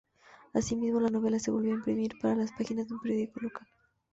Asimismo, la novela se volvió a imprimir para las páginas de un periódico local.